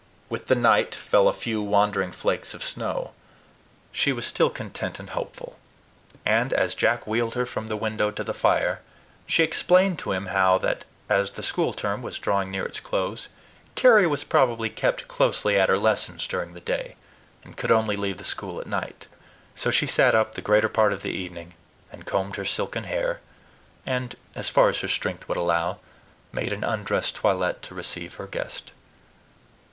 With the night fell a few wandering flakes of snow. She was still content and hopeful; and, as Jack wheeled her from the window to the fire, she explained to him how that, as the school term was drawing near its close, Carry was probably kept closely at her lessons during the day, and could only leave the school at night. So she sat up the greater part of the evening, and combed her silken hair, and as far as her strength would allow, made an undress toilet to receive her guest.